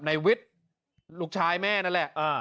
ในวิทย์ลูกชายแม่นั่นแหละ